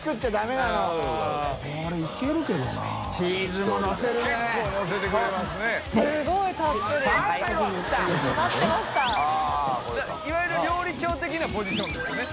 河井）いわゆる料理長的なポジションですよね。